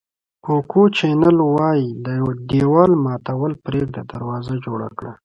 کوکو چینل وایي دېوال ماتول پرېږده دروازه جوړه کړه.